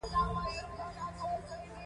هغه وويل وه ليونيه.